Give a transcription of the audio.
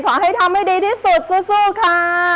ขอให้ทำให้ดีที่สุดสู้ค่ะ